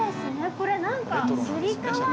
これ何かつり革。